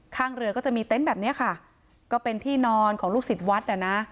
ข้างเรือก็จะมีเต็นต์แบบเนี้ยค่ะก็เป็นที่นอนของลูกศิษย์วัดอ่ะนะ